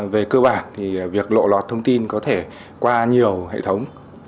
về cơ bản thì việc lộ lọt thông tin có thể qua nhiều hệ thống